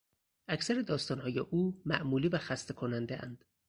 اکثر داستانهای او معمولی و خسته کنندهاند.